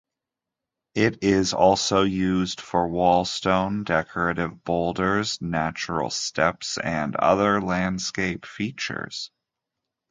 It is also used for wallstone, decorative boulders, natural steps and other landscape features.